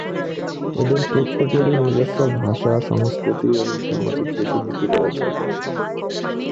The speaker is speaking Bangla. এদের প্রত্যেকেরই নিজস্ব ভাষা, সংস্কৃতি এবং সামাজিক রীতি-নীতি রয়েছে।